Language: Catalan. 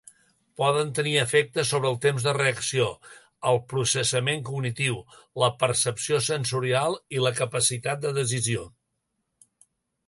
Poden tenir efectes sobre el temps de reacció, el processament cognitiu, la percepció sensorial i la capacitat de decisió.